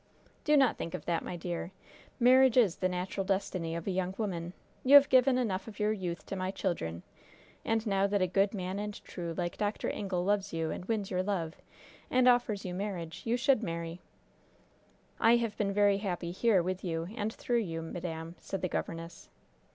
"Do not think of that, my dear. Marriage is the natural destiny of a young woman. You have given enough of your youth to my children, and now that 'a good man and true' like Dr. Ingle loves you and wins your love, and offers you marriage, you should marry." "I have been very happy here with you and through you, madam," said the governess.